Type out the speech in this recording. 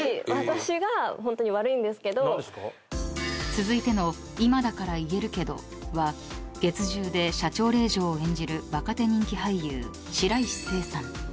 ［続いての今だから言えるけどは月１０で社長令嬢を演じる若手人気俳優白石聖さん］